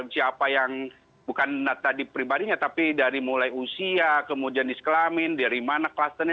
siapa yang bukan data pribadinya tapi dari mulai usia ke jenis kelamin dari mana klasternya